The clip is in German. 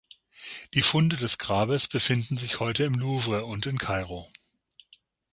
Die Funde des Grabes befinden sich heute im Louvre und in Kairo.